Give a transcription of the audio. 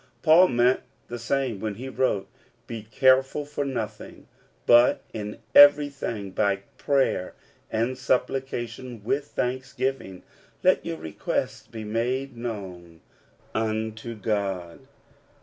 Paul meant the same when he wrote, "Be careful for nothing; but in everything by prayer and supplication with thanksgiving let your requests be made known unto God.